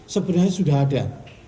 sebenarnya sudah ada